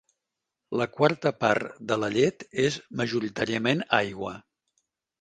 La quarta part de la llet és majoritàriament aigua.